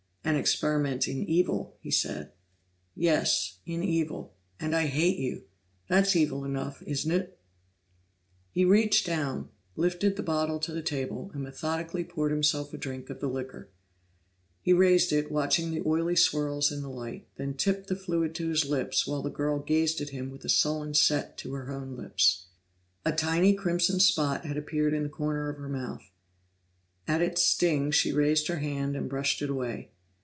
"An experiment in evil," he said. "Yes in evil. And I hate you! That's evil enough, isn't it?" He reached down, lifted the bottle to the table, and methodically poured himself a drink of the liquor. He raised it, watching the oily swirls in the light, then tipped the fluid to his lips while the girl gazed at him with a sullen set to her own lips. A tiny crimson spot had appeared in the corner of her mouth; at its sting, she raised her hand and brushed it away.